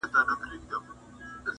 کوچي نکلونه، د آدم او دُرخانۍ سندري!